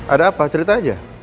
ada apa cerita aja